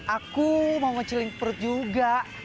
aku mau ngecilin perut juga